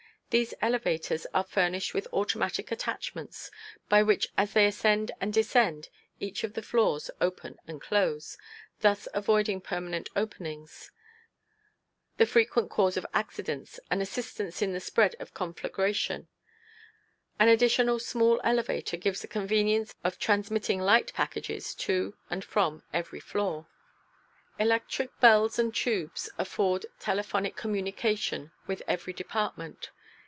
These elevators are furnished with automatic attachments by which as they ascend and descend each of the floors open and close, thus avoiding permanent openings, the frequent cause of accidents and assistance in the spread of a conflagration; an additional small elevator gives the convenience of transmitting light packages to and from every floor. Electric bells and tubes afford telephonic communication with every department.